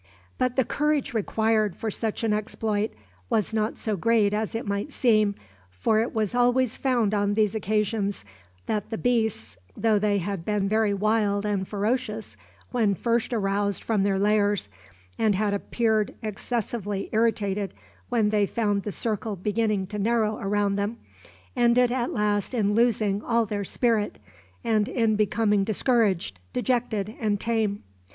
But the courage required for such an exploit was not so great as it might seem, for it was always found on these occasions that the beasts, though they had been very wild and ferocious when first aroused from their lairs, and had appeared excessively irritated when they found the circle beginning to narrow around them, ended at last in losing all their spirit, and in becoming discouraged, dejected, and tame.